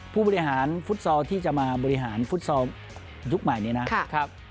ผู้บริหารฟุตซอลที่จะมาบริหารฟุตซอลยุคใหม่นี้นะครับ